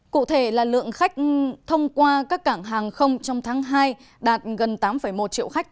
cụ thể là lượng khách thông qua các cảng hàng không trong tháng hai đạt gần tám một triệu khách